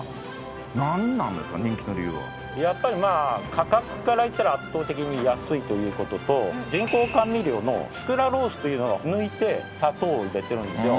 やっぱり価格からいったら圧倒的に安いということと人工甘味料のスクラロースというのを抜いて砂糖を入れてるんですよ。